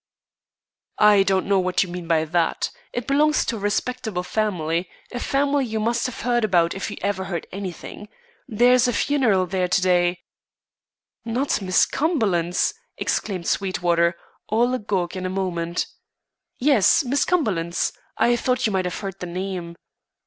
"I don't know what you mean by that. It belongs to a respectable family. A family you must have heard about if you ever heard anything. There's a funeral there to day " "Not Miss Cumberland's?" exclaimed Sweetwater, all agog in a moment. "Yes, Miss Cumberland's. I thought you might have heard the name."